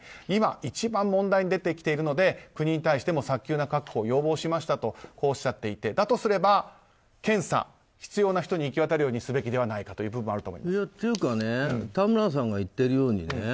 今、一番問題に出てきているので国に対しても早急な確保を要望しましたとおっしゃっていてだとすれば検査が必要な人に行き渡るようにすべきではないかという部分が